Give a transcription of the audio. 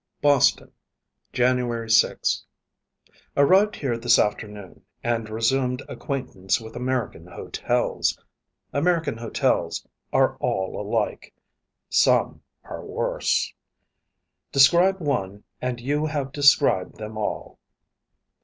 Boston, January 6. Arrived here this afternoon, and resumed acquaintance with American hotels. American hotels are all alike. Some are worse. Describe one and you have described them all.